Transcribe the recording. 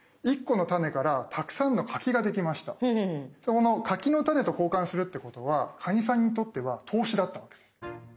この柿の種と交換するってことはカニさんにとっては投資だったわけです。